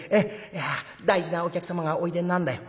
いや大事なお客様がおいでなんだよ。